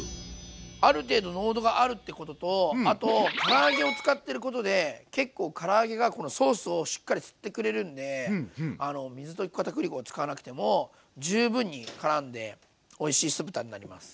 ある程度濃度があるってこととあとから揚げを使ってることで結構から揚げがこのソースをしっかり吸ってくれるんで水溶きかたくり粉を使わなくても十分にからんでおいしい酢豚になります。